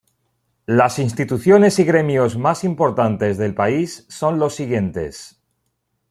Las instituciones y gremios más importantes del país son los siguientes.